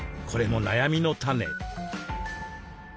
これも悩みの種。